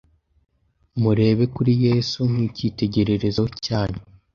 Murebe kuri Yesu nk’ikitegererezo cyacu.